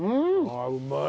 ああうまい！